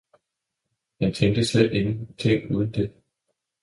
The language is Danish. Han tænkte slet ingenting uden det.